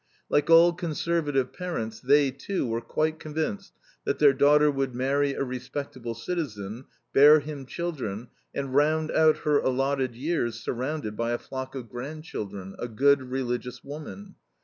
Like all conservative parents they, too, were quite convinced that their daughter would marry a respectable citizen, bear him children, and round out her allotted years surrounded by a flock of grandchildren, a good, religious woman.